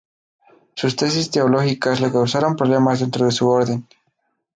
Sus tesis teológicas le causaron problemas dentro de su orden.